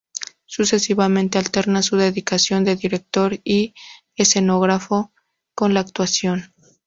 Sucesivamente alterna su dedicación de director y escenógrafo con la actuación.